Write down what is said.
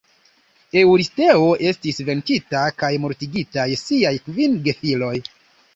Eŭristeo estis venkita kaj mortigitaj siaj kvin gefiloj.